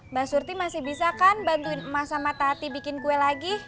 mbak surti masih bisa kan bantuin mas sama tati bikin kue lagi